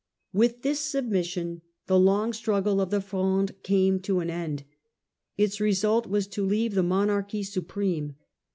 With this submission the long struggle of the Fronde came to an end. Its result was to leave the monarchy Conclusion supreme.